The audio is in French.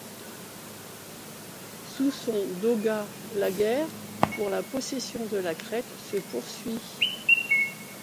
Sous son dogat, la guerre pour la possession de la Crête se poursuit.